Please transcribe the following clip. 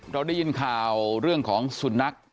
เราได้ยินข่าวเรื่องของสุนัข